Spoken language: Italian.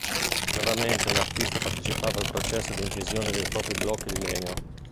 Raramente l'artista partecipava al processo di incisione dei propri blocchi di legno.